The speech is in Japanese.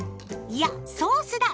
いやソースだ！